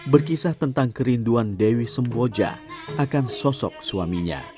berkisah tentang kerinduan dewi semboja akan sosok suaminya